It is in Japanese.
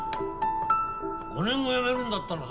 ５年後やめるんだったらさ